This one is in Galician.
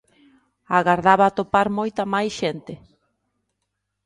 Agardaba atopar moita máis xente.